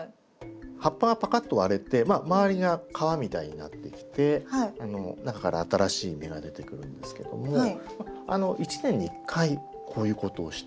葉っぱがパカッと割れて周りが皮みたいになってきて中から新しい芽が出てくるんですけども１年に１回こういうことをして。